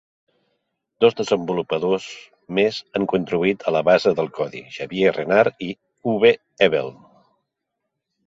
Dos desenvolupadors més han contribuït a la base del codi: Xavier Renard i Uwe Ebel.